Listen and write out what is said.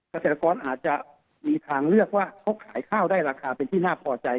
เกษตรกรอาจจะมีทางเลือกว่าเขาขายข้าวได้ราคาเป็นที่น่าพอใจ